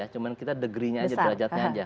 cuma kita degrinya aja